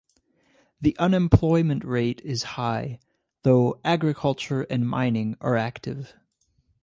The unemployment rate is high, though agriculture and mining are active.